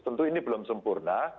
tentu ini belum sempurna